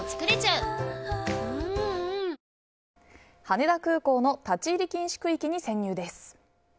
羽田空港の立ち入り禁止区域に潜入です。